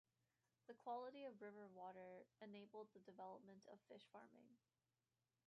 The quality of river water enabled the development of fish farming.